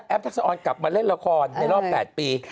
ทักษะออนกลับมาเล่นละครในรอบ๘ปี